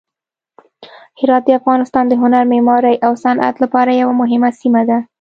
هرات د افغانستان د هنر، معمارۍ او صنعت لپاره یوه مهمه سیمه ده.